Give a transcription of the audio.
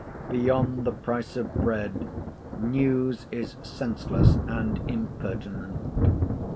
Beyond the price of bread, news is senseless and impertinent.